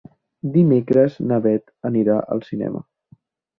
Dimecres na Beth anirà al cinema.